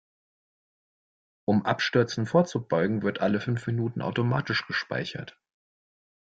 Um Abstürzen vorzubeugen, wird alle fünf Minuten automatisch gespeichert.